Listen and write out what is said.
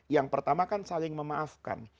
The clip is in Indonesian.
yang pertama kan saling memaafkan